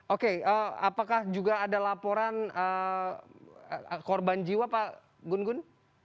oke apakah juga ada laporan korban jiwa pak gun gun